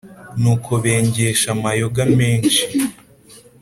Nuko bengesha amayoga menshi,